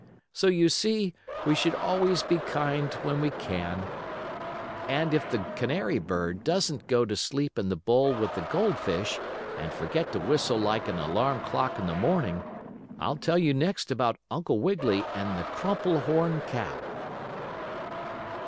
So you see we should always be kind when we can; and if the canary bird doesn't go to sleep in the bowl with the goldfish, and forget to whistle like an alarm clock in the morning, I'll tell you next about Uncle Wiggily and the crumple horn cow.